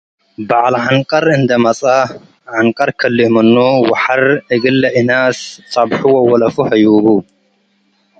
በዐል ዐንቀር እንዴ መጽአ ዐንቀር ከልእ ምኑ ወሐር እግል ለእናስ ጸብሑ ወወለፉ ሀዩቡ ።